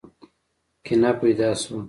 کینه پیدا شوه.